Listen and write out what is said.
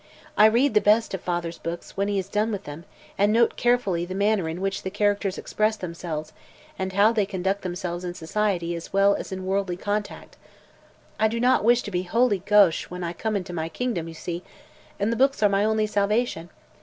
I read the best of father's books, when he is done with them, and note carefully the manner in which the characters express themselves and how they conduct themselves in society as well as in worldly contact. I do not wish to be wholly gauche when I come into my kingdom, you see, and the books are my only salvation.